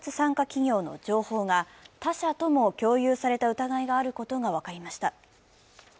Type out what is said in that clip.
企業の情報が他社とも共有された疑いがあることが分かりました。